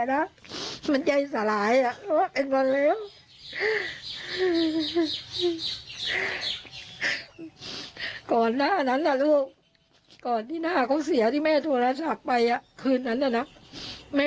ในแรกเขากำลับออกให้ไทยนะคะ